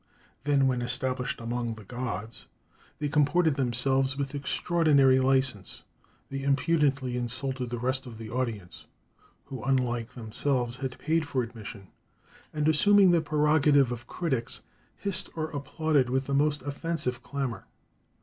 Then, when established among "the gods," they comported themselves with extraordinary license; they impudently insulted the rest of the audience, who, unlike themselves, had paid for admission, and "assuming the prerogative of critics, hissed or applauded with the most offensive clamour."